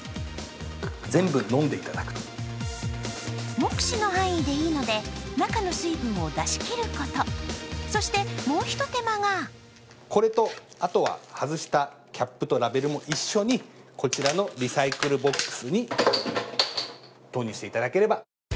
目視の範囲でいいので中の水分を出し切ること、そしてもう一手間がこれと、あとは外したキャップとラベルも一緒に一緒にこちらのリサイクルボックスに投入していただければ。